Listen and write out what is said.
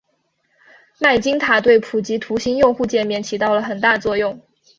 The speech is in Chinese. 麦金塔对普及图形用户界面起到了很大作用。